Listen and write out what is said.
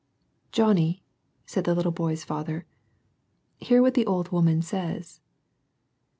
"— "Johnny," said the little boy's father, " hear what the old woman says."